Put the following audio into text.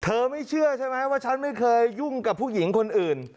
ไม่เชื่อใช่ไหมว่าฉันไม่เคยยุ่งกับผู้หญิงคนอื่น